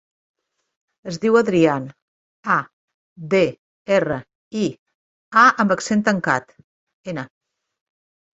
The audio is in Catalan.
Es diu Adrián: a, de, erra, i, a amb accent tancat, ena.